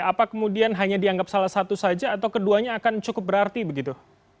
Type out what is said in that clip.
apa kemudian hanya dianggap salah satu saja atau keduanya akan cukup berarti begitu